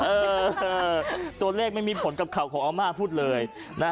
เออตัวเลขไม่มีผลกับข่าวของอาม่าพูดเลยนะฮะ